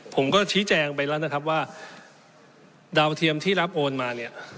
ผมก็ชี้แจงไปแล้วว่าดาวเทียมที่รับโอนมา